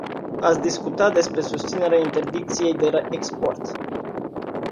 Ați discutat despre susținerea interdicției de export.